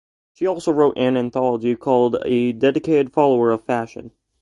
She also wrote an anthology called "A Dedicated Follower of Fashion".